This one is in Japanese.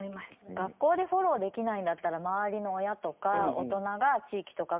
学校でフォローできないなら周りの親とか大人や地域が